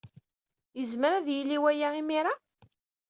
Yezmer ad d-yili waya imir-a?